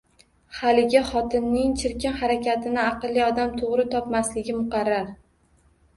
Haligi xotining chirkin harakatini aqlli odam to'g'ri topmasligi muqarrar.